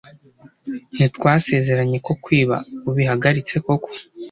ntitwasezeranye ko kwiba ubihagaritse koko